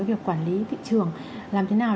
việc quản lý thị trường làm thế nào